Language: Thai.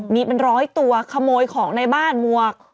มีเป็นร้อยตัวขโมยของในบ้านหมวก